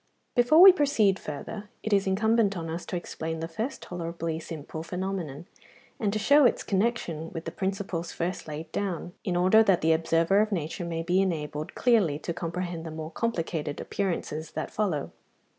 Before we proceed further, it is incumbent on us to explain the first tolerably simple phenomenon, and to show its connexion with the principles first laid down, in order that the observer of nature may be enabled clearly to comprehend the more complicated appearances that follow.